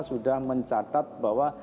sudah mencatat bahwa